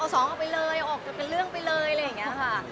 ออกไปเลยออกจะเป็นเรื่องไปเลยอะไรอย่างนี้ค่ะ